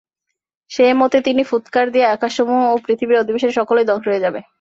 সে মতে তিনি ফুৎকার দিলে আকাশসমূহ ও পৃথিবীর অধিবাসীরা সকলেই ধ্বংস হয়ে যাবে।